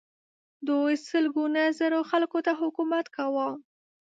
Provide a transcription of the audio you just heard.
دوی سلګونه زره خلکو ته حکومت کاوه.